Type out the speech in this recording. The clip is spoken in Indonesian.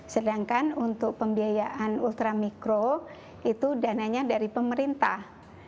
sedangkan untuk pembiayaan ultra mikro itu dananya dari pemerintah